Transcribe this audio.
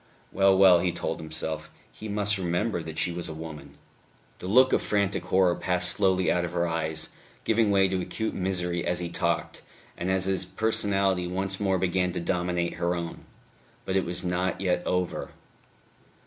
Well, well, he told himself, he must remember that she was a woman. The look of frantic horror passed slowly out of her eyes, giving way to acute misery as he talked, and as his personality once more began to dominate her own. But it was not yet over.